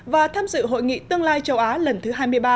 và tham dự hội nghị tương lai châu á lần thứ hai mươi ba